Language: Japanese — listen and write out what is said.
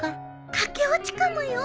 駆け落ちかもよ。